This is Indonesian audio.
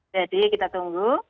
jadi kita tunggu